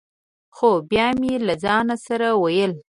خو بیا مې له ځان سره ویل: